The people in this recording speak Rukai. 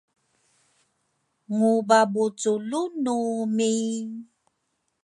Ngubabuculu numi?